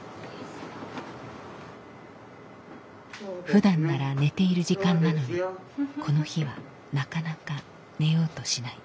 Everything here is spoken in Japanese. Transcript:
ふだんなら寝ている時間なのにこの日はなかなか寝ようとしない。